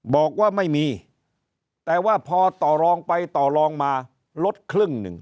บอกว่าไม่มีแต่ว่าพอต่อรองไปต่อรองมาลดครึ่งหนึ่ง